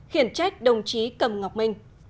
khiển trách đồng chí cầm ngọc minh